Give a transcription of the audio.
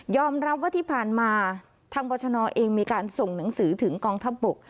รับว่าที่ผ่านมาทางบรชนเองมีการส่งหนังสือถึงกองทัพบก